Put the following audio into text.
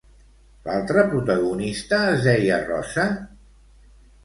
L'altra protagonista es deia Rosa?